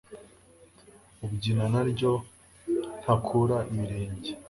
ubyina naryo ntakura ibirenge